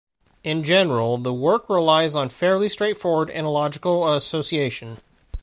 In general, the work relies on fairly straightforward analogical association.